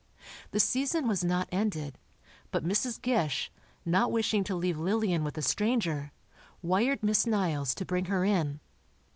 The season was not ended, but Mrs. Gish, not wishing to leave Lillian with a stranger, wired Miss Niles to bring her in.